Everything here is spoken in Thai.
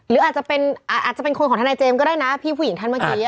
หรืออาจจะเป็นคนของทนายเจมส์ก็ได้นะพี่ผู้หญิงท่านเมื่อกี้